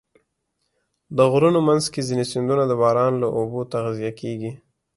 د غرونو منځ کې ځینې سیندونه د باران له اوبو تغذیه کېږي.